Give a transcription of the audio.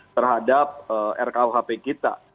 terhadap rkuhp kita